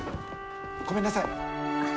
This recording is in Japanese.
ごめんなさい。